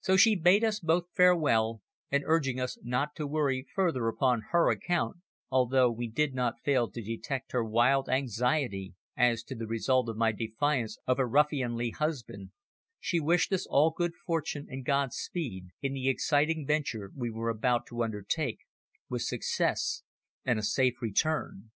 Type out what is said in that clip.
So she bade us both farewell, and urging us not to worry further upon her account, although we did not fail to detect her wild anxiety as to the result of my defiance of her ruffianly husband, she wished us all good fortune and Godspeed in the exciting venture we were about to undertake, with success and a safe return.